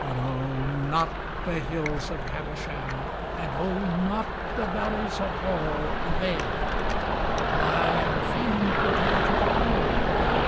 But oh, not the hills of Habersham, And oh, not the valleys of Hall Avail: I am fain for to water the plain.